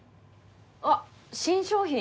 あっ新商品？